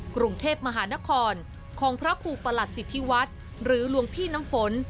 กรุงเทพมหานครของพระครูประหลัดสิทธิวัฒน์หรือหลวงพี่น้ำฝน